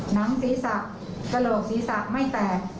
หนังสีสักกระโหลกสีสักไม่แตก